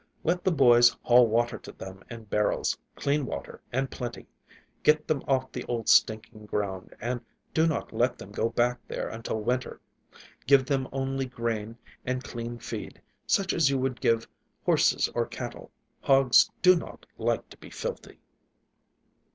Let the boys haul water to them in barrels, clean water, and plenty. Get them off the old stinking ground, and do not let them go back there until winter. Give them only grain and clean feed, such as you would give horses or cattle. Hogs do not like to be filthy."